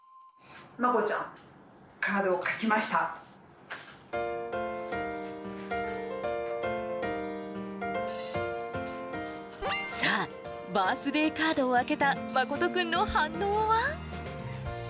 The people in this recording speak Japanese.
まこちゃん、さあ、バースデーカードを開けた真くんの反応は。